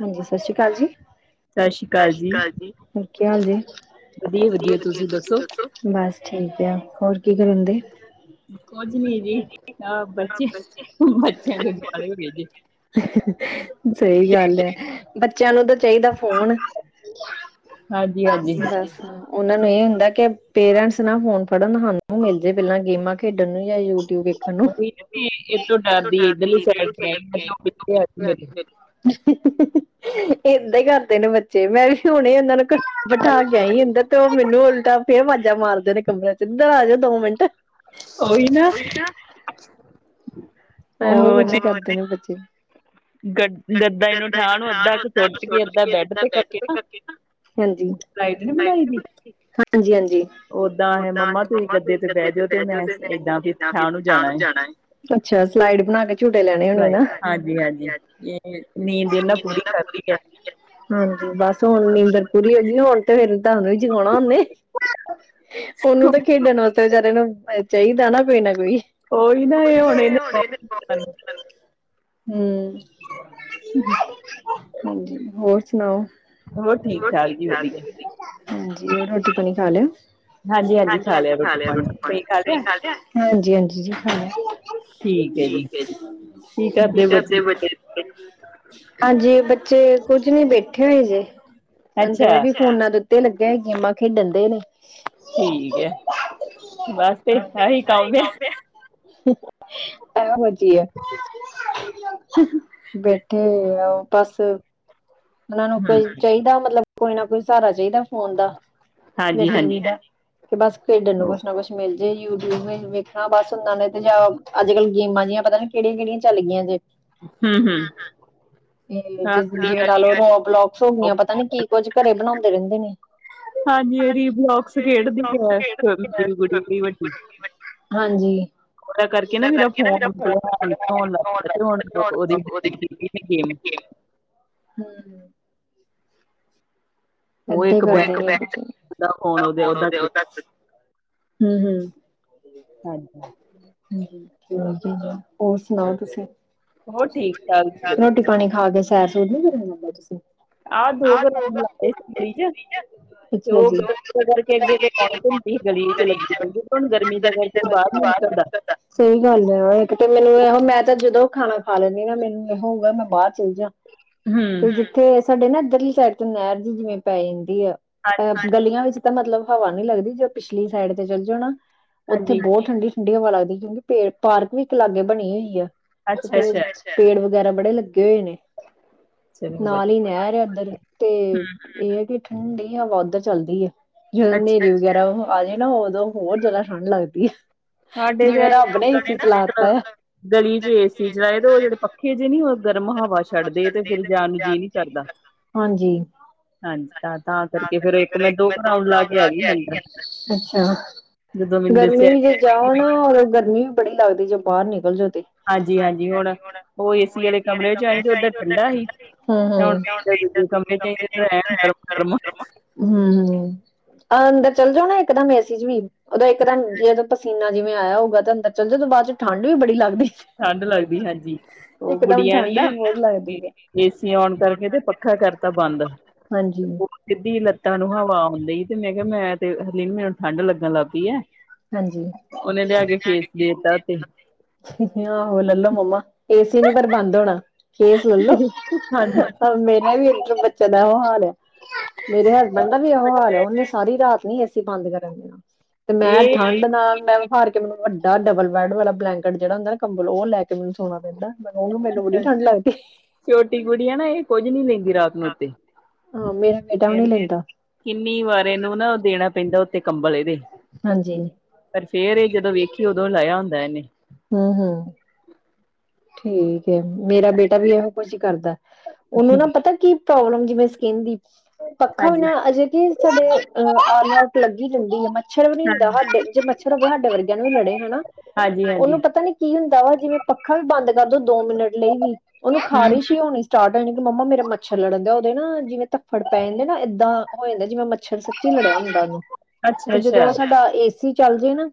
ਹਾਂਜੀ ਸਤ ਸ੍ਰੀ ਅਕਾਲ ਜੀ ਸਤ ਸ਼੍ਰੀ ਅਕਾਲ ਜੀ ਕੀ ਹਾਲ ਜੀ, ਵਧੀਆ ਤੁਸੀ ਦੱਸੋ? ਬਸ। ਠੀਕ ਆ ਹੋਰ ਕੀ ਕਰਨ ਦੇ ਕੁੱਝ ਨੀ ਜੀ ਆ ਬੱਚੇ ਬੱਚਿਆਂ ਨੂੰ ਗੁਰਦੁਆਰੇ ਭੇਜੇ ਸਹੀ ਗੱਲ ਹੈ ਬੱਚਿਆਂ ਨੂੰ ਤਾਂ ਚਾਹੀਦਾ ਫੋਨ ਹਾਂਜੀ ਬਸ ਉਹਨਾ ਇਹ ਹੁੰਦਾ ਕਿ ਪੇਰੈਂਟਸ ਨਾ ਫੋਨ ਫੜਨ ਸਾਨੂੰ ਮਿਲ ਜਾੇ ਪਹਿਲਾਂ ਗੇਮਾਂ ਖੇਡਨ ਮਿਲ ਗਿਆ ਯੂਟਿਊਬ ਵੇਖਣ ਨੂੰ ਡ ਏਦਾਂ ਹੀ ਕਰਦੇ ਨੇ ਬੱਚੇ ਮੈਂ ਵੀ ਹੁਣੇ ਉਹਨਾਂ ਨੂੰ ਬਿਠਾ ਕੇ ਆਈ ਆ ਅੰਦਰ ਤੇ ਉਹ ਮੈਨੂੰ ਉਲਟਾ ਫੇਰ ਵਾਜਾ ਮਾਰਦੇ ਨੇ ਕਮਰਿਆਂ ਚ ਇੱਧਰ ਆ ਜਾਓ ਦੋ ਮਿੰਟ [inaudible] ਉਹੀ ਨਾ ਕਦੇ ਹੋਗ ਜੀ [inaudible] ਦਦਾਂ ਇਹਨੂੰ ਠਾਣ ਅੱਧਾ ਸੁਚ ਕੇ ਅੱ ਬੈਠ ਤੇ ਕਰਕੇ ਨਾ [inaudible] ਹਾਂਜੀ ਹਾਂਜੀ ਹਾਂਜੀ ਓਦਾਂ ਇਹ ਮੰਮਾ ਤੁਸੀਂ ਗੱਦੇ ਤੇ ਬਹਿ ਜਾਓ ਤੇ ਮੈਂ ਇਦਾਂ ਵੀ ਥਾਂ ਨੂੰ ਜਾਣਾ ਏ ਅੱਛਾ ਸਲਾਈਡ ਬਣਾ ਕੇ ਝੂਟੇ ਲੈਣੇ ਹੋਣੇ ਨਾ ਇਹ ਨੀਂਦ ਨਾ ਪੂਰੀ ਕਰ ਲਈ ਏ ਹਾਂਜੀ ਬਸ ਹੁਣ ਨੀਂਦਰ ਪੂਰੀ ਹੋ ਗਈ ਹੁਣ ਤੇ ਫੇਰ ਤੁਹਾਨੂੰ ਵੀ ਜਗਾਉਣਾ ਓਨੇ ਉਹਨੂੰ ਤਾਂ ਖੇਡਣ ਵਾਸਤੇ ਵਿਚਾਰੇ ਨੂੰ ਚਾਹੀਦਾ ਨਾ ਕੋਈ ਨਾ ਕੋਈ ਕੋਈ ਨਾ ਇਹ ਹੁਣੇ [inaudible] ਹੂੰ ਹ [unintelligible] [inaudible] ਹਾਂਜੀ। ਹੋਰ ਸੁਣਾਓ? ਹੋਰ ਠੀਕ ਠਾਕ ਜੀ। ਖਾ ਲਿਆ। ਹਾਂਜੀ-ਹਾਂਜੀ ਖਾ ਲਿਆ ਰੋਟੀ ਪਾਣੀ। ਤੁਹੀ, ਖਾਂਦਾ? ਹਾਂਜੀ - ਹਾਂਜੀ ਜੀ। ਖਾਂ ਲਿਆ। ਠੀਕ ਹੈ ਜੀ। ਕੀ ਕਰਦੇ ਬੱਚੇ? ਹਾਂਜੀ। ਬੱਚੇ ਕੁੱਝ ਨੀ ਬੈਠੇ ਹੋਏ ਜੇ, ਅੰਦਰ ਉਹ ਵੀ ਫੋਨਾਂ ਦੇ ਤੇ ਲੱਗਿਆ ਹੀ ਗੇਮਾਂ ਖੇਡਣ ਦੇ ਨੇ। ਠੀਕ ਏ। ਬਸ ਤੇ ਏਹੀ ਕੰਮ ਏ। ਇਹੋ, ਜਿਹੀ ਹੈ। ਬੈਠੇ ਹੋਏ ਆ, ਬਸ ਉਹਨਾਂ ਨੂੰ ਕੁਝ ਚਾਹੀਦਾ, ਮਤਲਬ ਕੋਈ ਨਾ, ਕੋਈ ਸਹਾਰਾ ਚਾਹੀਦਾ। ਫੋਨ ਦਾ, ਜਾਂ ਟੀਵੀ ਦਾ, ਕਿ ਬਸ ਖੇਡਣ ਨੂੰ ਕੁਛ ਨਾ ਕੁਛ ਮਿਲ ਜੇ ਯੂ ਟਿਊਬ ਵਿੱਚ ਵੇਖਣਾ ਬਸ ਉਹਨਾਂ ਨੇ, ਤੇ ਜਾਂ ਅੱਜ ਕਲ੍ਹ ਗੇਮਾਂ ਜਿਹੀਆਂ, ਪਤਾ ਕਿਹੜੀਆਂ-ਕਿਹੜੀਆਂ ਚੱਲ ਗਈਆਂ ਜੇ। ਤੇ ਜਿਵੇਂ ਨਾਲੇ ਰੋ ਬਲੋਕਸ ਹੋ ਗਈਆਂ, ਪਤਾ ਨੀ ਕੀ ਕੁਝ ਘਰੇ ਬਣਾਉਂਦੇ ਰਹਿੰਦੇ ਨੇ? ਹਾਂਜੀ। ਇਹ ਰੀ, ਬਲੋਕਸ ਖੇਡਦੀ ਹੈੜੀ ਵੱਡੀ ਹਾਂਜੀ। ਉਹਨਾਂ ਕਰਕੇ ਨਾ ਮੇਰਾ ਫੋਨ ਥੋੜਾਂ ਹੈਂਗ ਹੋਣ [unintelligible] ਹਮ-ਹਮ। [unintelligible] ਹਮ-ਹਮ । ਹੋਰ ਸੁਣਾਓ, ਤੁਸੀਂ ਰੋਟੀ ਪਾਣੀ ਖਾ ਕੇ ਸੈਰ- ਸੂਰ ਨੀ ਕਰ ਜਾਂਦੇ, ਤੁਸੀਂ? ਆਹ ਦੋ ਗੇੜੇ [unintelligible] ਚ ਤੇ ਉਹ ਗਰਮੀ [unintelligible] ਗਲੀ ਚ ਲੱਗੀ ਰਹਦੀ ਹੁਣ ਗਰਮੀ ਦਾ ਕਰਕੇ ਉਹ ਬਾਹਰ ਸਹੀ ਗੱਲ ਹੈ, ਇੱਕ ਤੇ ਮੈਨੂੰ ਇਹੋ ਮੈਂ ਤਾਂ ਜਦੋਂ ਖਾਣਾ ਖਾ ਲੈਂਦੀ ਨਾ, ਮੈਨੂੰ ਇਹੋ ਹੁੰਦਾ ਮੈਂ ਬਾਹਰ ਚਲੇ ਜਾ, ਤੇ ਜਿੱਥੇ ਸਾਡੇ ਨਾ ਇਧਰਲੇ ਸਾਈਡ ਤੇ ਨਹਿਰ ਜ ਜਿਵੇਂ ਪੈ ਜਾਂਦੀ। ਗਲੀਆਂ, ਵਿੱਚ ਤਾਂ ਮਤਲਬ ਹਵਾ ਨੀ ਲੱਗਦੀ। ਜੋ ਪਿਛਲੀ ਸਾਈਡ ਤੇ ਚੱਲ ਜਾਓ ਨਾ, ਉੱਥੇ ਬਹੁਤ ਠੰਡੀ-ਠੰਡੀ ਹਵਾ ਲੱਗਦੀ। ਕਿਉਂਕਿ ਪੇ ਪਾਰਕ ਵੀ ਇੱਕ ਲਾਗੇ ਬਣੀ ਹੋਈ ਹੈ। ਤੇ ਪੇੜ, ਵਗੈਰਾ ਬੜੇ ਲੱਗੇ। ਗਏ ਹੋਏ ਨੇ, ਨਾਲ ਹੀ ਨਹਿਰ ਹੈ। ਇੱਧਰ ਤੇ ਇਹ ਹੈ ਕਿ, ਠੰਡੀ ਹਵਾ ਉੱਧਰ ਚੱਲਦੀ ਹੈ। ਜਦੋਂ ਹਨੇਰੀ ਵਗੈਰਾ ਅਜੇ ਨਾ, ਉਦੋਂ ਹੋਰ ਜਿਆਦਾ ਠੰਡ ਲੱਗਦੀ ਆ। ਸਾਡੇ ਤੇ ਲੋਕਾਂ ਨੇ ਨਾ ਮਤਲਬ ਗਲੀ ਚ, ਏ ਸੀ ਚਲਾਏ ਤੇ ਉਹ ਜਿਹੜੇ ਪੱਖੇ ਜਿਹੇ ਨੀ ਹੋ ਗਰਮ ਹਵਾ ਛੱਡਦੇ, ਤੇ ਫਿਰ ਜਾਣ ਨੂੰ ਜੀਅ ਨਹੀ ਕਰਦਾ। ਹਾਂਜੀ। ਤਾਂ-ਤਾਂ ਕਰਕੇ ਫਿਰ ਇੱਕ ਮੈਂ ਦੋ ਕੁ ਰਾਊਂਡ ਲਾ ਕੇ ਆ ਗਈ ਸੀ, ਅੰਦਰ ਜਦੋਂ ਮੈਨੂੰ ਦੱਸਿਆ, ਜਾਓ ਨਾ, ਗਰਮੀ ਵੀ ਬੜੀ ਲੱਗਦੀ, ਜਦੋਂ ਬਾਹਰ ਨਿਕਲ ਜਾਓ। ਹਾਂਜੀ-ਹਾਂਜੀ। ਹੁਣ ਉਹ ਏ ਸੀ ਵਾਲੇ ਕਮਰੇ ਚ ਆਈ ਤੇ ਉੱਧਰ ਠੰਡਾ ਸੀ, ਤੇ ਮੈਂ ਹੁਣ ਇਧਰ ਦੂਜੇ ਕਮਰੇ ਚ ਆਈ, ਤੇ ਇੱਧਰ ਐਨ ਗਰਮ-ਗਰਮ। ਹਮ -ਹਮ। ਆਹ ਅੰਦਰ ਚੱਲ ਜਾਓ ਨਾ, ਇੱਕਦਮ ਏ ਸੀ ਚ ਵੀ, ਉਦੋਂ ਇੱਕ ਦਮ ਜਦੋਂ ਪਸੀਨਾ ਜਿਵੇਂ ਆਇਆ ਹੋਊਗਾ ਤਾਂ, ਅੰਦਰ ਚ ਉਹਦੇ, ਬਾਦ ਚ ਠੰਡ ਵੀ ਬੜੀ ਲਗਦੀ। ਠੰਢ ਲੱਗਦੀ ਹਾਂਜੀ। ਉਹ ਗੁੜੀਆਂ ਨੇ ਨਾ, ਏਸੀ ਔਨ ਕਰਕੇ ਤੇ ਪੱਖਾ ਕਰਤਾ ਬੰਦ। [unintelligible] ਨੂੰ ਹਵਾ ਆਉਂਦੀ ਈ ਤੇ ਮੈਂ ਕਿਹਾ, ਮੈਂ ਤੇ ਹਲੇ ਮੈਨੂੰ ਠੰਢ ਲੱਗਣ ਲੱਗ ਪਈ ਐ। ਉਹਨੇ, ਲਿਆ ਕੇ ਖੇਸ ਦੇਤਾ ਸੀ। ਆ ਹੋ, ਲੈ ਲਓ, ਮੰਮਾ। ਏਸੀ ਨੀ ਪਰ ਬੰਦ ਹੋਣਾ, ਖੇਸ ਲੈ ਲਓ, ਮੇਰਾ ਵੀ ਬੱਚਿਆਂ ਦਾ ਉਹ ਹਾਲ ਆ। ਮੇਰੇ ਹਸਬੈਂਡ, ਦਾ ਵੀ ਇਹੋ ਹਾਲ, ਉਹਨੇ ਸਾਰੀ ਰਾਤ ਨੀ ਅਸੀ, ਬੰਦ ਕਰਨ ਦੇਣਾ ਤੇ ਮੈਂ ਠੰਡ ਨਾਲ ਮੈ ਹਾਰ ਮੈਨ ਵੱਡਾ ਡਬਲ ਬੈਡ ਵਾਲਾ, ਬਲੈਂਕਟ ਜਿਹੜਾ ਹੁੰਦਾ ਨਾ ਕੰਬਲ ਉਹ ਲੈ ਕੇ ਮੈਨੂੰ ਸੋਣਾ ਪੈਂਦਾ। ਛੋਟੀ ਕੁੜੀ ਆ ਨਾ, ਇਹ ਕੁਝ ਨੀ ਲੈਂਦੀ। ਰਾਤ ਨੂੰ ਉੱਤੇ, ਫੇਰ ਕਿੰਨੀ ਵਾਰ ਇਹਨੂੰ ਨਾ ਦੇਣਾ ਪੈਂਦਾ। ਤੇ ਕੰਬਲ ਇਹਦੇ, ਪਰ ਫੇਰ ਇਹ ਜਦੋਂ ਵੇਖੀ ਉਦੋਂ ਲਾਇਆ ਹੁੰਦਾ ਇਹਨੇ ਹੂੰ-ਹੂੰ, ਠੀਕ ਹੈ। ਮੇਰਾ ਬੇਟਾ ਵੀ ਇਹੋ ਕੁਝ ਕਰਦਾ, ਉਹਨੂੰ ਨਾ ਪਤਾ ਕੀ ਪ੍ਰੋਬਲਮ ਜਿਵੇਂ ਸਕਿਨ ਦੀ ਹਾਂ [inaudible] ਪੱਖਾ ਵੀ ਨਾ ਅਜੇ ਕੀ ਸਾਡੇ ਅ ਆਲਆਊਟ ਲੱਗੀ ਰਹਿੰਦੀ ਆ ਮੱਛਰ ਵੀ ਨੀ ਹੁੰਦਾ ਸਾਡੇ ਜੇ ਮੱਛਰ ਸਾਡੇ ਵਰਗਿਆਂ ਨੂੰ ਵੀ ਲੜੇ। ਉਹਨੂੰ ਪਤਾ ਨੀ ਕੀ ਹੁੰਦਾ ਵਾ ਜਿਵੇਂ ਪੱਖਾ ਵੀ ਬੰਦ ਕਰਦੋ ਦੋ ਮਿੰਟ ਲਈ ਵੀ ਉਹਨੂੰ ਖ਼ਾਰਿਸ਼ ਹੀ ਹੋਣੀ ਸਟਾਰਟ ਹੋ ਜਾਂਣੀ ਕਿ ਮੰਮਾ ਮੱਛਰ ਲੜਨਦੇ ਆ ਉਹਦੇ ਨਾ ਜਿਵੇਂ ਧਫੜ ਪੈ ਜਾਂਦੇ ਨਾ ਏਦਾਂ ਹੋ ਜਾਂਦਾ ਜਿਵੇਂ ਸੱਚੀ ਲੜਿਆ ਹੁੰਦਾ ਉਹਨੂੰ ਤੇ ਜਦੋਂ ਉਹ ਸਾਡਾ ਏਸੀ ਚੱਲ ਜਾਏ ਨਾ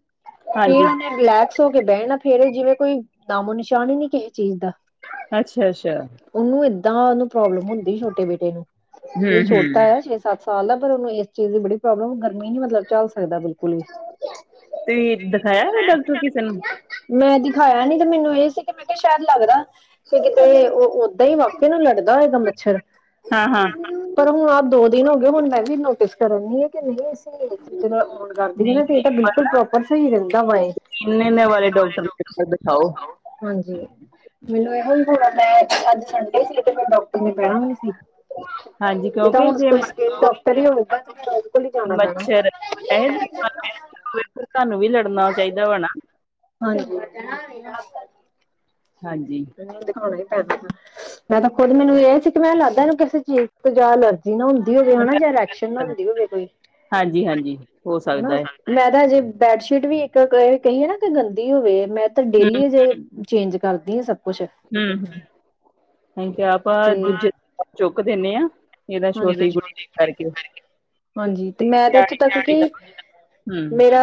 ਫੇਰ ਉਹਨੇ ਬਲੈਕ ਕੇ ਬਹਿ ਨਾ ਫੇਰ ਜਿਵੇਂ ਕੋਈ ਨਾਮੋ ਨਿਸ਼ਾਨ ਹੀ ਨੀ ਕਿਸੇ ਚੀਜ਼ ਦਾ [unintelligible] ਉਹਨੂੰ ਏਦਾਂ ਉਹਨੂੰ ਪ੍ਰੋਬਲਮ ਹੁੰਦੀ ਛੋਟੇ ਬੇਟੇ [unintelligible] ਛੋਟਾ ਆ ਛੇ ਸੱਤ ਸਾਲ ਦਾ ਪਰ ਉਹਨੂੰ ਇਸ ਚੀਜ਼ ਦੀ ਬੜੀ ਪ੍ਰੋਬਲਮ ਨੀ ਮਤਲਬ ਲ ਸਕਦਾ ਬਿਲਕੁਲ ਵੀ [inaudible] [inaudible] ਮੈਂ ਦਿਖਾਇਆ ਨੀ ਤੇ ਮੈਨੂੰ ਇਹ ਸੀ ਕਿ ਮੈਂ ਕਿਹਾ ਸ਼ਾਇਦ ਲੱਗਦਾ। ਤੇ ਕਿਤੇ ਉਹ ਓਦਾਂ ਹੀ [unintelligible] ਨੂੰ ਲੜਦਾ ਹੋਏਗਾ ਮੱਛਰ [unintelligible] ਪਰ ਹੁਣ ਆਪ ਦੋ ਦਿਨ ਹੋ ਗਏ ਹੁਣ ਮੈਂ ਵੀ ਨੋਟਿਸ ਕਰਨ ਹੈ ਕਿ ਨਹੀਂ ਅਸੀਂ 'ਚ ਜਦੋਂ ਆਉਣ ਕਰਦੇ ਹ ਨਾ ਤੇ ਇਹ ਤਾਂ ਬਿਲਕੁਲ ਪ੍ਰੋਪਰ ਸਹੀ ਰਹਿੰਦਾ ਵਾ ਇਹ [unintelligible] ਹਾਂਜੀ ਮੈਨੂੰ ਇਹੋ ਹੀ ਬੜ ਅੱਜ ਸੰਡੇ ਸੀ ਤੇ ਫਿਰ ਡਾਕਟਰ ਨੇ ਬੈਣਾ ਵੀ ਨਹੀਂ ਸੀ। ਇਹ ਤਾਂ ਹੁਣ ਸਕਿੰਨ ਡਾਕਟਰ ਹੀ ਹੋਵੇਗਾ। ਮੱਛਰ ਇਹ ਜ [unintelligible] ਤੁਹਾਨੂੰ ਵੀ ਲੜਨਾ ਚਾਹੀਦਾ ਵ ਨਾ [unintelligible] ਮੈਂ ਤਾਂ ਖੁੱਦ ਮੈਨੂੰ ਇਹ ਸੀ ਕਿ ਮੈਂ ਲੱਦਾ ਇਹਨੂੰ ਕਿਸੇ ਚੀਜ਼ ਤੇ ਜਾਂ ਲ ਨਾ ਹੁੰਦੀ ਹੋਵੇ ਹਨਾ ਜਾਂ ਰਿਐਕਸ਼ਨ ਨਾ ਹੁੰਦੀ ਹੋਵੇ ਕੋਈ [unintelligible] ਹਨਾ ਮੈਦਾ ਜੇ ਬੈਡਸ਼ੀਟ ਵੀ ਇੱਕ ਕਹੀ ਹੈ ਨਾ ਕਿ ਗੰਦੀ ਹੋਵੇ ਮੈਂ ਤਾਂ ਡੇਲੀ ਅਜੇ ਚੇਂਜ ਕਰਦੀ ਹਾਂ ਸਭ ਹੂੰ ਹ ਹ [unintelligible] ਅਸੀ ਤਾ ਆਪ ਦੂਜੇ ਚੁੱਕ ਦਿੰਦੇ ਆਂ ਇਹਦਾ ਛੋਟੀ ਕੁੜੀ ਕਰਕੇ ਹਾਂਜੀ ਤੇ ਮੈਂ ਤੇ ਇੱਥੇ ਤਕ ਕਿ ਮੇਰਾ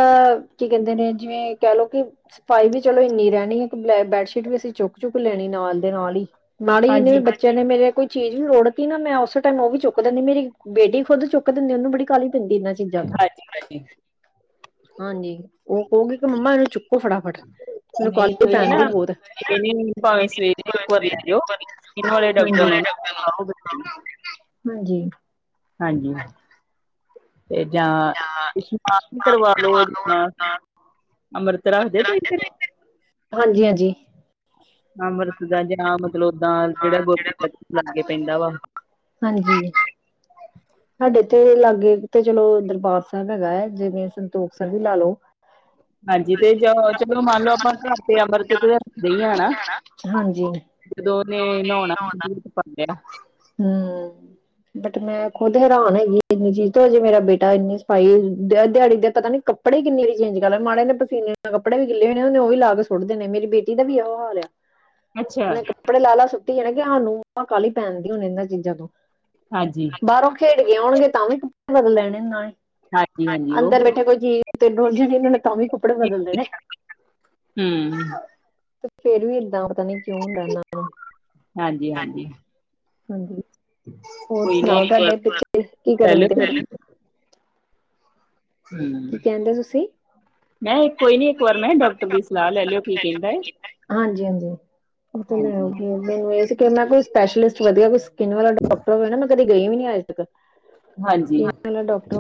ਕੀ ਕਹਿੰਦੇ ਨੇ ਜਿਵੇਂ ਕਹਿ ਲਓ ਕਿ ਸਫਾਈ ਵੀ ਚਲੋ ਇੰਨੀ ਰਹਿਣੀ ਹੈ ਇੱਕ ਬ ਬੈਡਸ਼ੀਟ ਵੀ ਅਸੀਂ ਚੁੱਕ ਚੁੱਕ ਲੈਣੀ ਨਾ ਨਾਲ ਦੇ ਨਾਲ ਹੀ ਨਾਲ ਹੀ ਜਿੰਨੇ ਵੀ ਬੱਚਿਆਂ ਨੇ ਮੇਰੇ ਕੋਈ ਚੀਜ਼ ਵੀ ਰੋੜਤੀ ਨਾ ਮੈਂ ਉਸ [unintelligible] ਚੁੱਕ ਦਿੰਦੀ ਮੇਰੀ ਬੇਟੀ ਖੁਦ ਚੁੱਕ ਦਿੰਦੀ ਉਹਨ ਬੜੀ ਕਾਹਲੀ ਪੈਂਦੀ ਇਹਨਾਂ ਚੀ ਹਾਂਜੀ- ਹਾਂਜੀ ਹਾਂਜੀ ਉਹ ਕਹੋਗੀ ਕਿ ਮੰਮਾ ਇਹਨੂੰ ਚੁੱਕੋ ਫਟਾਫਟ [unintelligible] ਇਹ ਭਾਵੇਂ ਸਵੇਰੇ ਇੱਕ ਵਾਰ ਲੈ ਜਾਓ ਸਕਿਨ ਵਾਲੇ ਡਾਕਟਰ ਨੂੰ [inaudible] ਹਾਂਜੀ ਹਾਂਜੀ ਤੇ ਜਾਂ ਤੁਸੀ ਆਪ ਕਰਵਾਲੋ ਜ ਅੰਮ੍ਰਿਤ ਰੱਖਦੇ ਤੁਸੀ ਘਰੇ ਹਾਂਜੀ- ਹਾਂਜੀ ਅੰਮ੍ਰਿਤ ਦਾ ਜਾਂ ਮਤਲਬ ਓਦਾਂ ਜਿਹੜਾ ਗੁਰ ਲਾ ਕੇ ਪੈਂਦਾ ਵਾ ਹਾਂਜੀ ਸਾਡੇ ਇਥੇ ਲਾਗੇ ਤੇ ਚਲੋ ਦਰਬਾਰ ਸਾਹਿਬ ਹੈਗਾ ਹੈ ਜਿਵੇਂ ਸੰਤੋਖ ਸਰ ਵੀ ਲਾ ਲੋ। ਹਾਂਜੀ ਤੇ ਚਲੋ ਮੰਨ ਲਓ ਆਪਾਂ ਘਰ ਤੇ ਅੰਮ੍ਰਿਤ ਤੇ ਹੀ [unintelligible] ਨਾ ਜਦੋਂ ਉਹਨੇ ਨਹਾਉਣਾ [inaudible] ਹੂੰ ਬਟ ਮੈਂ ਖੁਦ ਹੈਰਾਨ ਹੈਗੀ ਇੰਨੀ ਚੀਜ਼ ਤੋਂ ਹਜੇ ਮੇਰਾ ਬੇਟਾ ਇੰਨੀ ਸਫਾਈ ਦਿਹਾੜੀ ਦੇ ਪਤਾ ਨੀ ਕੱਪੜੇ ਕਿੰਨੀੇ ਚੇਜ ਕਰ ਲਾ ਮਾੜੇ ਨੇ ਪਸੀੇ ਕੱਪੜ ਵੀ ਗਿੱਲੇ ਹੋਣੇ ਉਹਨ ਵੀ ਲਾਕੇ [unintelligible] ਮੇਰੀ ਬੇਟੀ ਦਾ ਵੀ ਇਹ ਹਾਲ ਆਨੇ ਕੱਪੜੇ ਲ ਲਾ ਸੁ ਨਾ ਕਿ ਸਾਨੂੰ ਕਾਹਲੀ ਪੈਣਦੀ ਹੋਣੀ ਇਹਨਾਂ ਚੀਜ਼ਾਂ ਤੋਂ ਬਾਹਰੋਂ ਖੇਡ ਕੇ ਆਉਣਗੇ ਤਾਂ ਵੀ ਕੁੇ ਬਦਲ ਲੈਣੇ ਨਾਲ ਅੰਦਰ ਬੈਠੇ ਕੋਈ ਜ [unintelligible] ਇਹ ਨੇ ਤਾਂ ਵੀ ਕੱਪੜੇ ਬਦਲਦੇ ਨੇ ਤੇ ਫੇਰ ਵੀ ਏਦਾਂ ਪਤਾ ਨੀ ਕਿਉ ਹੁੰਦਾ ਇਹਨਾ ਨੂੰ ਹਾਂਜੀ ਹੋਰ ਸੁਣਾਓ ਤੁਹਾਡੇ ਪਿੱਛੇ ਕੀ ਕਰਨ ਦੇ ਫਿਰ ਕੀ ਕਹਿੰਦੇ ਤੁਸੀਂ ਮੈਂ ਕੋਈ ਨੀ ਇੱਕ ਵਾਰ ਮੈਂ ਡਾਕਟਰ ਦੀ ਸਲਾਹ ਲੈ ਲਿਓ ਕੀ ਹਾਂਜੀ ਹਾਂਜੀ ਲੈ ਮੈਨੂੰ ਇਹ ਸੀ ਮੈਂ ਕੋਈ ਸਪੈਸ਼ਲਿਸਟ ਵਧੀਆ ਕੋਈ ਸਕਿਨ ਵਾਲਾ ਡਾਕਟਰ ਹੋਵੇ ਨਾ ਮੈਂ ਕਦੇ ਗਏ ਵੀ ਨੀ ਅੱਜ ਤੱਕ ਡਾਕਟਰ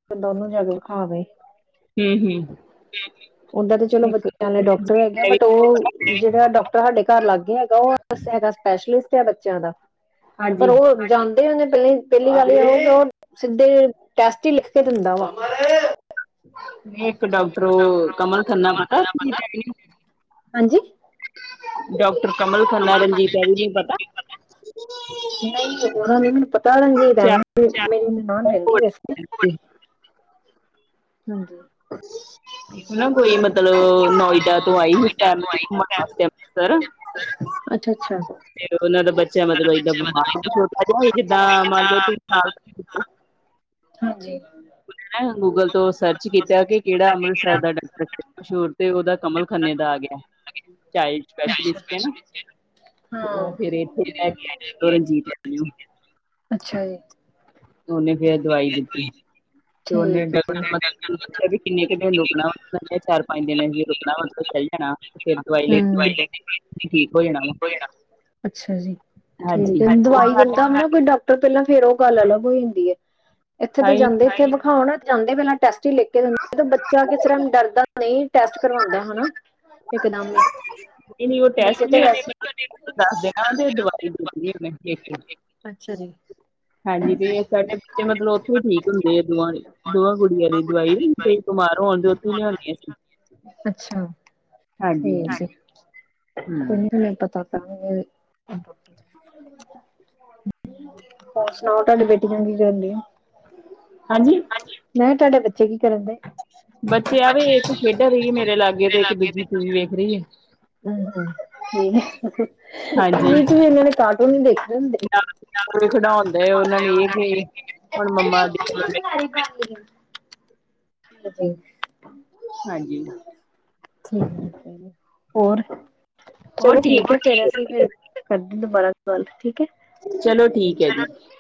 ਤੇ ਦੋਨੂੰ ਜਗ ਖਾਵੇ ਹਮ ਉਹਦਾ ਤੇ ਚਲੋ ਬੱਚਿਆਂ ਦੇ ਡਾਕਟਰ ਹੈਗੇ ਬਟ ਉਹ ਜਿਹੜਾ ਡਾਕਟਰ ਸਾਡੇ ਘਰ ਲਾਗੇ ਹੈਗਾ ਹੈਗਾ ਸਪੈਸ਼ਲਿਸਟ ਹੈ ਬੱਚਿਆਂ ਦਾ ਪਰ ਉਹ ਜਾਂਦੇ ਪਹਿ ਪਹਿਲੀ ਗੱਲ ਸਿੱਧੇ ਟੈਸਟ ਹੁੰਦਾ ਵ ਡਾਕਟਰ ਕਮਲ ਖੰਨਾ ਪਤਾ ਹਾਂਜੀ ਡਾਕਟਰ ਕਮਲ ਖੰਨਾ ਰਣਜੀਤ ਹੈ ਇਵਨੂਏ ਪਤਾ [inaudible] ਨਹੀਂ ਉਹ ਨੂੰ ਮੈਨੂੰ ਪਤਾ ਰਣਜੀਤ ਅਵੇਨੁ ਮੇਰੀ ਨਾਨਣ ਰਹਿੰਦੀ ਵੈਸੇ ਹਾਂਜੀ ਨਾ ਕੋਈ ਮਤਲਬ ਨੋਇਡਾ ਤੋਂ ਆਈ ਸੀ ਫੈਮਿਲੀ ਘੁੰਮਣ ਵਾਸਤੇ ਅੰਮ੍ਰਿਤਸਰ ਅੱਛਾ ਅੱਛਾ ਬੱਚਾ ਮਤਲਬ ਏਦਾਂ ਬਿਮਾਰ ਛੋਟਾ ਜਿਹਾ ਜਿੱਦਾਂ ਮੰਨ ਲਓ ਤੁਸੀਂ ਸਾਲੋ ਹਾਂਜੀ ਮੈਂ ਗੂਗਲ ਤੋਂ ਸਰਚ ਕੀਤਾ ਕਿ ਕਿਹੜਾ ਅੰਮ੍ਰਿਤਸਰ ਦਾ ਡਾਕਟਰ ਮਸ਼ਹੂਰ ਤੇ ਉਹਦਾ ਕਮਲ ਖੰਨੇ ਦਾ ਚਾਇਲਡ ਸਪੇਸ਼ਲਿਸਟ ਹੈ ਨਾ ਉਹ ਫੇਰ ਇੱਥੇ ਲੈ ਕੇ ਆ ਰਣਜੀਤ ਐਵਨਿਊ ਅੱਛਾ ਜੀ ਉਹਨੇ ਫੇਰ ਦਵਾਈ ਦਿੱਤੀ ਹ ਤੇ ਉਹਨੇ ਪੁ ਵੀ ਕਿੰਨੇ ਕੁ ਦਿਨ ਰੁਕਣਾ ਵਾ ਚਾਰ ਪੰਜ ਦਿਨ ਰੁਕਣਾ ਚ ਜਾਣਾ ਫਿਰ ਦਵਾਈ ਲੈ ਕੇ ਠੀਕ ਹੋ ਜਾਣਾ ਵਾ ਅੱਛਾ ਜੀ ਠੀਕ ਹੈ ਦਵਾਈ ਦਿੰਦਾ ਕੋਈ ਡਾਕਟਰ ਪਹਿਲਾਂ ਫੇਰ ਉਹ ਗੱਲ ਅਲੱਗ ਹੋਈ ਜਾਂਦੀ ਹੈ ਇੱਥੇ ਤੇ ਜਾਂਦੇ ਇੱਥੇ ਵਿਖਾਉਣ ਤੇ ਜਾਂਦੇ ਪਹਿਲਾਂ ਟੈਸਟ ਹੀ ਲਿਕੇ ਦਿੰਦੇ ਦ ਬੱਚਾ ਕਿਸ ਤਰਾ ਡਰਦਾ ਨਹੀਂ ਟੈਸਟ ਕਰਵਾਉਂਦਾ ਹਨਾ ਇਕਦਮ ਨਹੀਂ ਨਹੀਂ ਉਹ ਟੈਸਟ ਨ ਉਹਨੇਣਾ ਦਵਾਈ ਦੇਣੀ ਦੇ ਅੱਛਾ ਜੀ ਹਾਂਜੀ ਤੇ ਸਾਡੇ ਬੱਚੇ ਮਤਲਬ ਉੱਥੇ ਹੀ ਠੀਕ ਹੁੰਦੇ ਆ ਦੋਵਾਂ ਕੁੜੀਆਂ ਦੀ ਦਵਾਈ ਦਈ ਬਮਾਰ ਹੋਣ ਦੇ ਉੱਥੇ ਹੀ ਲਿਆ ਅਸੀਂ ਅੱਛਾ ਠੀਕ ਕੋਈ ਨੀ ਮਨੂੰ ਪਤਾ ਹੋਰ ਸੁਣਾਓ ਤੁਹਾਡੇ ਬੇਟੇ ਕੀ ਕਰਨ ਦੀਆਂ ਨਹੀਂ ਤੁਹਾਡੇ ਬੱਚੇ ਕੀ ਕਰਨ ਦੇ ਬੱਚੇ ਆਵੇ ਇੱਕ ਖੇਡ ਰਹੀ ਮੇਰੇ ਲਾਗੇ ਤੇ ਇੱਕ ਦੂਜੀ ਟੀਵੀ ਵੇਖ ਰਹੀ ਹੈ ਹੂੰ ਹੂੰ ਠੀਕ ਕ ਵੀ ਇਹਨਾਂ ਨੇ ਕਾਰਟੂਨ ਹੀ ਦੇਖਦੇ ਹੁੰਦੇ ਕੋ ਖਡਾਉਦਾ ਉਹਨਾਂ ਨੂੰ ਇਹ ਕਿ ਹੁਣ ਮੰਮਾ [inaudible] ਹਾਂਜੀ ਠੀਕ ਹੈ ਹੋਰ ਚਲੋ ਠੀਕ ਹੈ, ਫਿਰ ਫਿਰ ਅਸੀਂ ਕਰਦੇ ਦੁਬਾਰਾ ਕਾਲ ਠੀਕ ਐ।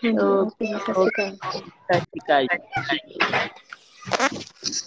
ਹਾਂਜੀ, ਓਕੇ ਜੀ ਸਤ ਸ੍ਰੀ ਅਕਾਲ। ਸਤਿ ਸ਼੍ਰੀ ਕਾਲ ਜੀ